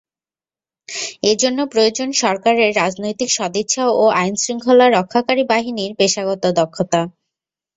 এ জন্য প্রয়োজন সরকারের রাজনৈতিক সদিচ্ছা ও আইনশৃঙ্খলা রক্ষাকারী বাহিনীর পেশাগত দক্ষতা।